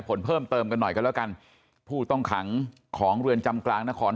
ผลเพิ่มเติมกันหน่อยกันแล้วกันผู้ต้องขังของเรือนจำกลางนคร